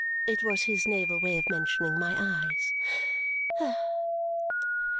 It was his naval way of mentioning my eyes."